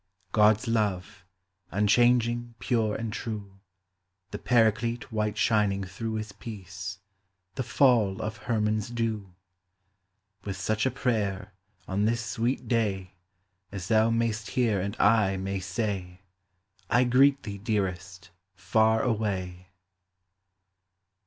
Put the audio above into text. God's love, — unchanging, pure, and true, — The Paraclete white shining through ilis peace,— the fall of Ilermon's dew! With such a prayer, on this sweet day, As thou mayst hear and I may say, I greet thee, dearest, far away!